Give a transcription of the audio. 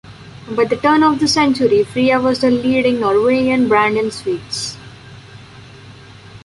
By the turn of the century, Freia was the leading Norwegian brand in sweets.